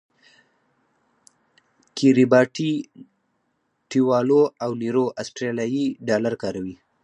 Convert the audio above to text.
کیریباټی، ټیوالو او نیرو اسټرالیایي ډالر کاروي.